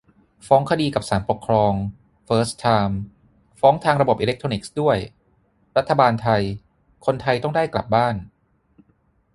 ฟ้องคดีกับศาลปกครอง เฟิร์สไทม์ ฟ้องทางระบบอิเล็กทรอนิกส์ด้วย - «รัฐบาลไทย : คนไทยต้องได้กลับบ้าน